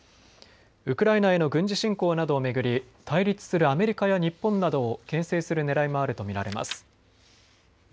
ウクライナへの軍事侵攻などを巡り対立するアメリカや日本などをけん制するねらいもあると見られます。